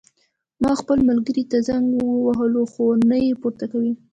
ما خپل ملګري ته زنګ ووهلو خو نه یې پورته کوی